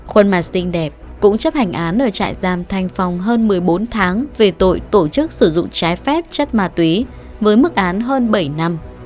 khuôn ma sinh đẹp cũng chấp hành án ở trại giam thanh phong hơn một mươi bốn tháng về tội tổ chức sử dụng trái phép chất ma túy với mức án hơn bảy năm